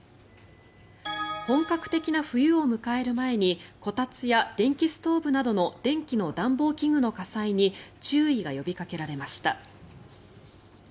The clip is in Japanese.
本格的な冬を迎える前にこたつや電気ストーブなどの電気の暖房器具の火災に注意が呼びかけられました。